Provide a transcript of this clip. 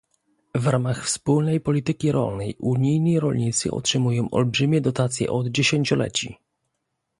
W ramach wspólnej polityki rolnej unijni rolnicy otrzymują olbrzymie dotacje od dziesięcioleci